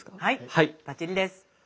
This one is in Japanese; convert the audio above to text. はいバッチリです。